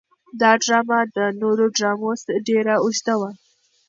دا ډرامه تر نورو ډرامو ډېره اوږده وه.